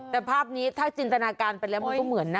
แต่ภาพนี้ถ้าจินตนาการไปแล้วมันก็เหมือนนะ